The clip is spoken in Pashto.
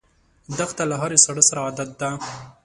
دښته له هرې ساړه سره عادت ده.